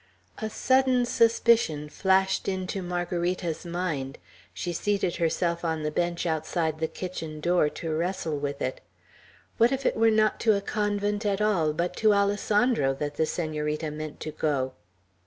A sudden suspicion flashed into Margarita's mind. She seated herself on the bench outside the kitchen door, to wrestle with it. What if it were not to a convent at all, but to Alessandro, that the Senorita meant to go!